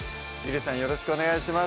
よろしくお願いします